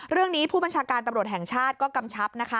เรื่องนี้ผู้บัญชาการตำรวจแห่งชาติก็กำชับนะคะ